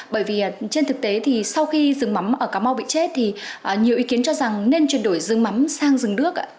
bởi vì trên thực tế thì sau khi rừng mắm ở cà mau bị chết thì nhiều ý kiến cho rằng nên chuyển đổi rừng mắm sang rừng đước ạ